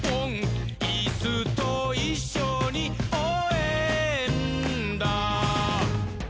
「イスといっしょにおうえんだ！」